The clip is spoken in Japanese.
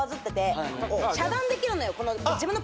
遮断できるのよ。